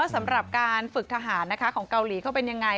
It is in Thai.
สำหรับการฝึกทหารของเกาหลีเขาเป็นยังไง